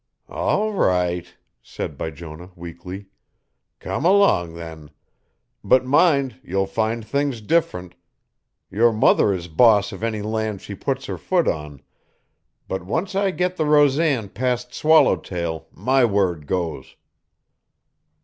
"All right," said Bijonah weakly; "come along then. But mind, you'll find things different. Your mother is boss of any land she puts her foot on, but once I get the Rosan past Swallowtail my word goes."